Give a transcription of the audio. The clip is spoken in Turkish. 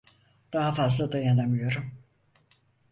Daha fazla dayanamıyorum!